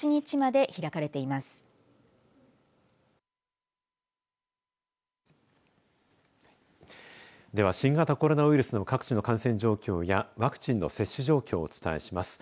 では新型コロナウイルスの各地の感染状況やワクチンの接種状況をお伝えします。